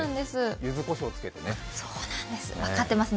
ゆずこしょうつけてね。